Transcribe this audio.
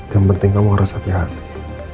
yang penting kamu harus hati hati